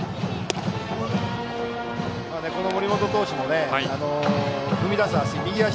森本投手も踏み出す足